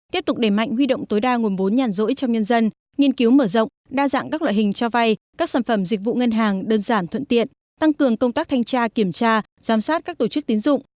tiếp tục đẩy mạnh huy động tối đa nguồn vốn nhàn rỗi trong nhân dân nghiên cứu mở rộng đa dạng các loại hình cho vay các sản phẩm dịch vụ ngân hàng đơn giản thuận tiện tăng cường công tác thanh tra kiểm tra giám sát các tổ chức tiến dụng